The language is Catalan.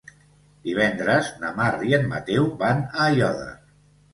Divendres na Mar i en Mateu van a Aiòder.